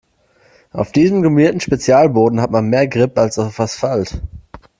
Auf diesem gummierten Spezialboden hat man mehr Grip als auf Asphalt.